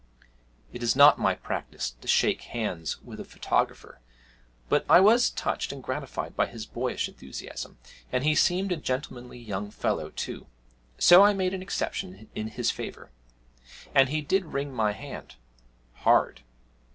It is not my practice to shake hands with a photographer, but I was touched and gratified by his boyish enthusiasm, and he seemed a gentlemanly young fellow too, so I made an exception in his favour; and he did wring my hand hard.